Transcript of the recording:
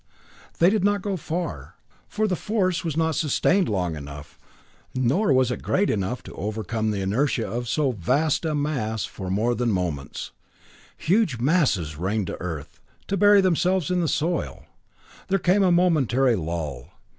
They did not go far; the force was not sustained long enough, nor was it great enough to overcome the inertia of so vast a mass for more than moments. Huge masses rained to earth, to bury themselves in the soil. There came a momentary lull.